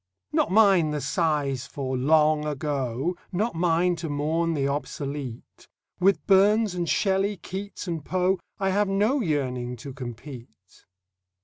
Not mine the sighs for Long Ago; Not mine to mourn the obsolete; With Burns and Shelley, Keats and Poe I have no yearning to compete.